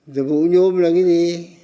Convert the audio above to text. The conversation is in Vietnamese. giờ vũ nhôm là cái gì